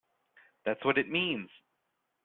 That's what it means!